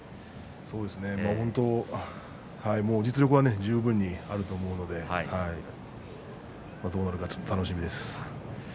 本当、実力は十分にあると思うのでどうなるのか楽しみですね。